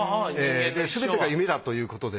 すべてが夢だということで。